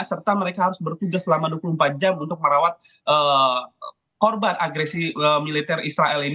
serta mereka harus bertugas selama dua puluh empat jam untuk merawat korban agresi militer israel ini